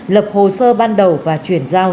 lập hồ sơ ban đầu và chuyển giao